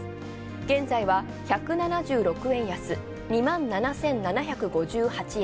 現在は１７６円安、２７７５８円。